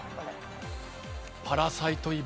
『パラサイト・イヴ』？